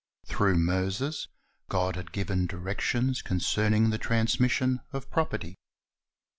Through Moses, God had given directions concerning the transmission of property.